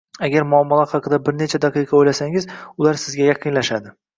Agar muammolar haqida birnecha daqiqa oʻylasangiz, ular sizga yaqinlashadi